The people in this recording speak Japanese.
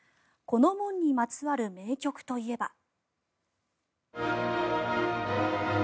この門にまつわる名曲といえば。